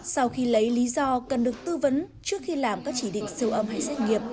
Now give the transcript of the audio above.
sau khi lấy lý do cần được tư vấn trước khi làm các chỉ định siêu âm hay xét nghiệm